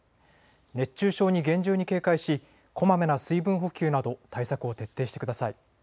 熱中症に厳重に警戒しこまめな水分補給など対策を徹底してください。